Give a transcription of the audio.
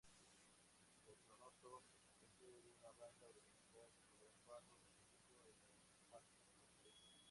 El pronoto posee una banda horizontal de color pardo rojizo en el margen posterior.